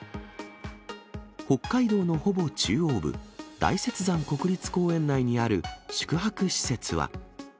北海道のほぼ中央部、大雪山国立公園内にある宿泊施設は。